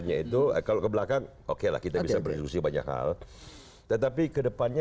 terima kasih depannya itu kalau ke belakang okelah kita bisa berdiskusi banyak hal tetapi ke depannya